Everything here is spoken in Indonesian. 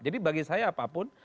jadi bagi saya apapun